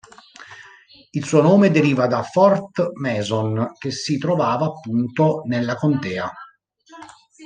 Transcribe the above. Il suo nome deriva da Fort Mason, che si trovava appunto nella contea.